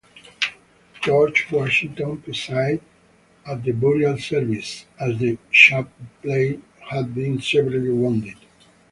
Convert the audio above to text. George Washington presided at the burial service, as the chaplain had been severely wounded.